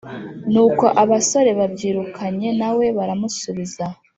Nuko abasore babyirukanye na we baramusubiza